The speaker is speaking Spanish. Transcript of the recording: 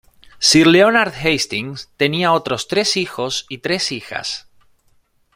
Sir Leonard Hastings tenía otros tres hijos y tres hijas.